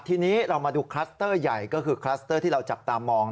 ทีนี้เรามาดูคลัสเตอร์ใหญ่ก็คือคลัสเตอร์ที่เราจับตามอง